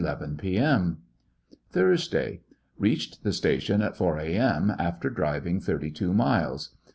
Sleeping on Thursday. Eeached the station at 4 a.m. ^'^ after driving thirty two miles.